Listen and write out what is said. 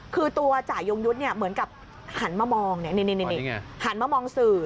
คือตัวจ่ายงยุทธ์เหมือนกับหันมามองนี่หันมามองสื่อ